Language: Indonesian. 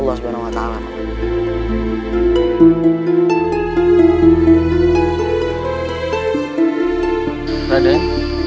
ya benar raden